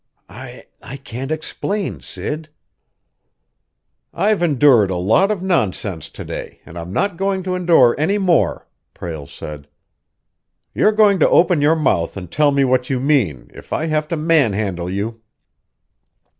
"I I can't explain, Sid." "I've endured a lot of nonsense to day, and I'm not going to endure any more!" Prale said. "You're going to open your mouth and tell me what you mean, if I have to manhandle you."